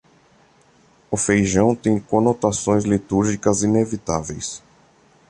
O feijão tem conotações litúrgicas inevitáveis.